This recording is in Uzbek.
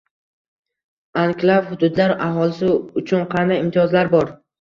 Anklav hududlar aholisi uchun qanday imtiyozlar bor?